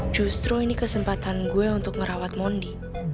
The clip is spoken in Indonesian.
justru ini kesempatan gue untuk merawat mondi